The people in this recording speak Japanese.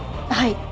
はい。